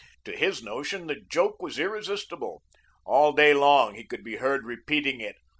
To his notion, the joke was irresistible. All day long, he could be heard repeating it.